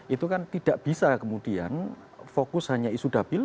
itu kan tidak bisa kemudian fokus hanya isu dapil